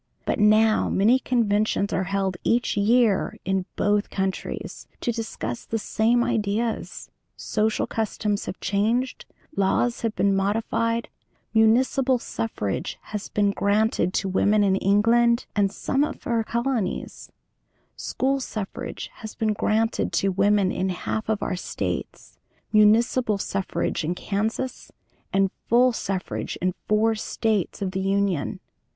But now many conventions are held each year in both countries to discuss the same ideas; social customs have changed; laws have been modified; municipal suffrage has been granted to women in England and some of her colonies; school suffrage has been granted to women in half of our States, municipal suffrage in Kansas, and full suffrage in four States of the Union.